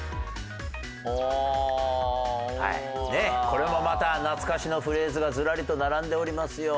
これもまた懐かしのフレーズがずらりと並んでおりますよ。